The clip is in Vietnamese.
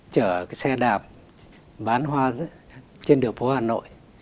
chở cái xe đạp bán hoa trên đường phố hà nội